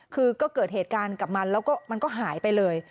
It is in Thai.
คือก็เกิดเหตุการณ์กับมันแล้วก็มันก็หายไปเลย